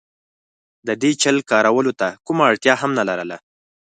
د دې چل کارولو ته کومه اړتیا هم نه لرله.